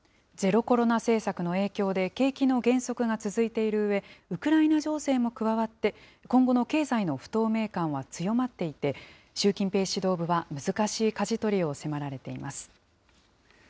ゼロコロナ政策の影響で、景気の減速が続いているうえ、ウクライナ情勢も加わって、今後の経済の不透明感は強まっていて、習近平指導部は、難しいかじ取りを迫られています。